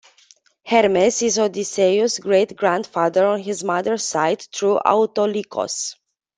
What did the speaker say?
Hermes is Odysseus's great grandfather on his mother's side, through Autolycos.